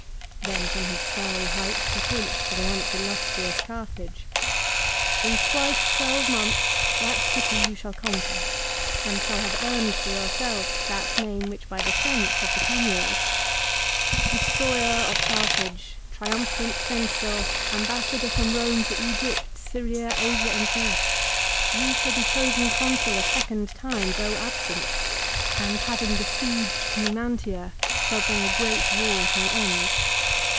Then from his starry heights he points to the once illustrious Carthage. " In twice twelve months that city you shall conquer, and shall have earned for yourself that name which by descent has become yours. Destroyer of Carthage, triumphant, Censor, ambassador from Home to Egypt, Syria, Asia and Greece, you shall be chosen Consul a second time, though absent, and having besieged Numantia shall bring a great war to an end